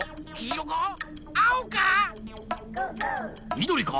みどりか？